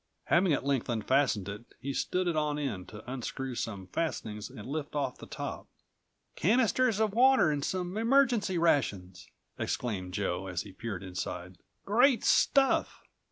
Having at length unfastened it, he stood it on end to unscrew some fastenings and lift off the top. "Canisters of water and some emergency rations!" exclaimed Joe, as he peered inside. "Great stuff!"